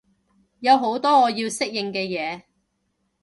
有好多我要適應嘅嘢